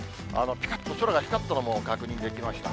ぴかっと空が光ったのも確認できました。